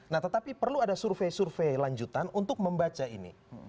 nah tetapi perlu ada survei survei lanjutan untuk membaca ini